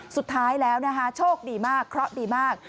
สุดท้ายแล้วนะคะโชคดีมากเคราะห์ดีมาก